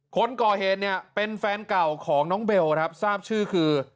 คนก่อเหตุเนี่ยเป็นแฟนเก่าของน้องเบลครับทราบชื่อคือ